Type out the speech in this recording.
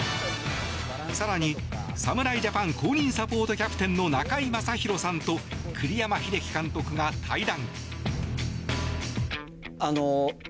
更に、侍ジャパン公認サポートキャプテンの中居正広さんと栗山英樹監督が対談。